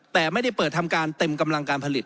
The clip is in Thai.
แต่ไม่ได้เปิดทำการเต็มกำลังการผลิต